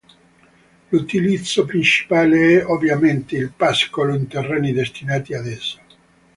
L'utilizzo principale è ovviamente il pascolo in terreni destinati ad esso.